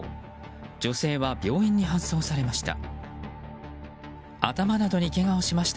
女性は病院に搬送されました。